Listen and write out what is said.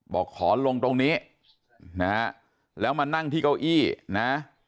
บอกขอลงตรงนี้นะฮะแล้วมานั่งที่เก้าอี้นะ